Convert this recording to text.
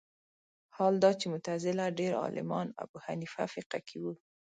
حال دا چې معتزله ډېر عالمان ابو حنیفه فقه کې وو